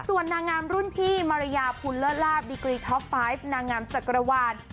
ส่วนนางงามรุ่นพี่มารยาพุนเลิศลาบดีกรีท็อปไฟล์นางงามจักรวาล